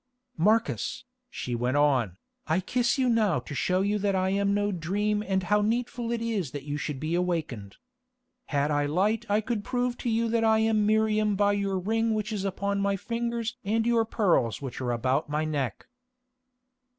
"Marcus," she went on, "I kiss you now to show you that I am no dream and how needful it is that you should be awakened. Had I light I could prove to you that I am Miriam by your ring which is upon my fingers and your pearls which are about my neck."